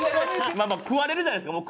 食われるじゃないですか。